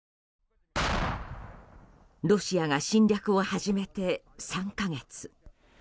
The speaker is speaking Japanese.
ロシアが侵略を始めて３か月。